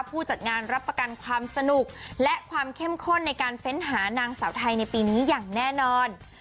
ผู้จัดงานรับประกันความสนุกและความเข้มข้นในการเฟ้นหานางสาวไทยในปีนี้อย่างแน่นอน